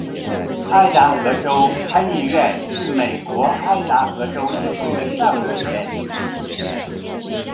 爱达荷州参议院是美国爱达荷州议会的上议院。